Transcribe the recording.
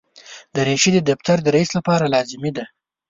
دریشي د دفتر د رئیس لپاره لازمي ده.